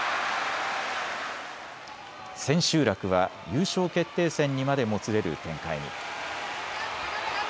千秋楽は優勝決定戦にまでもつれる展開に。